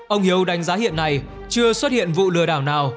ông hiếu đánh giá hiện nay chưa xuất hiện vụ lừa đảo nào